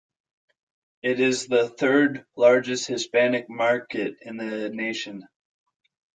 It is the third-largest Hispanic market in the nation.